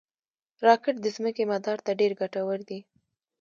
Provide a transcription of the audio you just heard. راکټ د ځمکې مدار ته ډېر ګټور دي